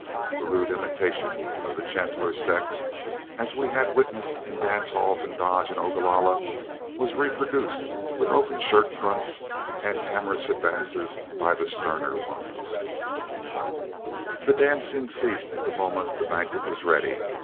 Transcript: A rude imitation of the gentler sex, as we had witnessed in dance halls in Dodge and Ogalalla, was reproduced with open shirt fronts, and amorous advances by the sterner one. The dancing ceased the moment the banquet was ready.